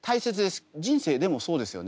人生でもそうですよね。